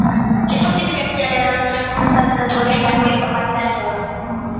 Le fortificazioni erano rinforzate da torri agli angoli formati dalle mura.